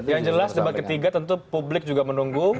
yang jelas debat ketiga tentu publik juga menunggu